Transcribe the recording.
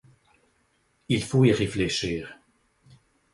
Il faut y réfléchir.